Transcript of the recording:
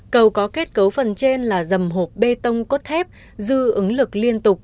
cầu có kết cấu phần trên là dầm hộp bê tông cốt thép dư ứng lực liên tục